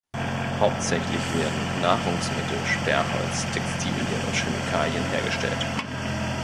Hauptsächlich werden Nahrungsmittel, Sperrholz, Textilien und Chemikalien hergestellt.